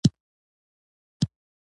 يوازنی شرط د ترلاسي ظرف موجود وي.